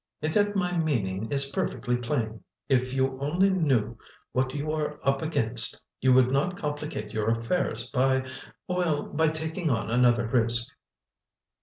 "And yet my meaning is perfectly plain. If you only knew what you are up against, you would not complicate your affairs by—well, by taking on another risk."